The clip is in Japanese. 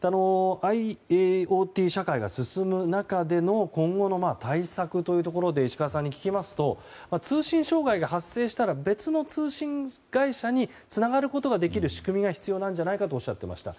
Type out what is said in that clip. ＩｏＴ社会が進む中での今後の対策というところで石川さんに聞きますと通信障害が発生したら別の通信会社につながることができる仕組みが必要なんじゃないかとおっしゃっていました。